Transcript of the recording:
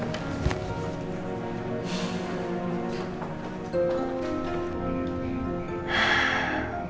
sampai jumpa lagi